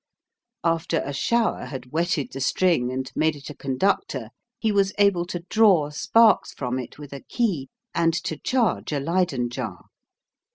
After a shower had wetted the string and made it a conductor, he was able to draw sparks from it with a key and to charge a Leyden jar.